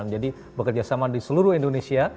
jadi bekerja sama di seluruh indonesia